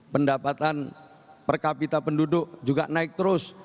pendapatan per kapita penduduk juga naik terus